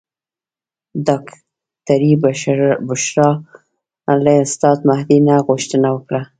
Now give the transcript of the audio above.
ډاکټرې بشرا له استاد مهدي نه غوښتنه وکړه.